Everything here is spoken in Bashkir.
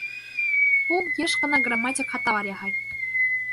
Ул йыш ҡына грамматик хаталар яһай